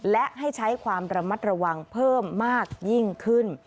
และให้ใช้ความระมัดระวังเพิ่มมากยิ่งขึ้น